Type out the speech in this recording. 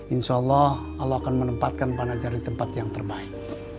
insya allah allah akan menempatkan panajah di tempat yang terbaik